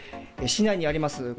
市内にあります